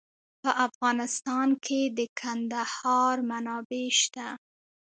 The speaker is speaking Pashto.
په افغانستان کې د کندهار منابع شته.